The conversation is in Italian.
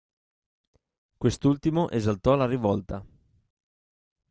Quest'ultimo esaltò la rivolta.